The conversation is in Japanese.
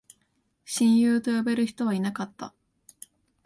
親友と呼べる人はいなかった